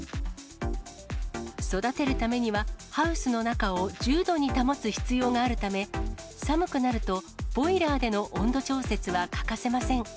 育てるためには、ハウスの中を１０度に保つ必要があるため、寒くなるとボイラーでの温度調節は欠かせません。